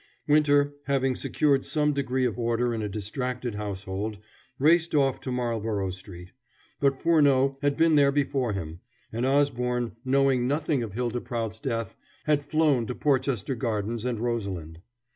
Winter, having secured some degree of order in a distracted household, raced off to Marlborough Street; but Furneaux had been there before him, and Osborne, knowing nothing of Hylda Prout's death, had flown to Porchester Gardens and Rosalind.